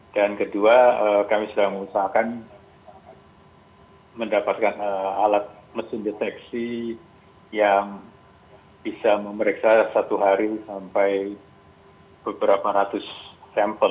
dan kedua kami sudah mengusahakan mendapatkan alat mesin deteksi yang bisa memeriksa satu hari sampai beberapa ratus sampel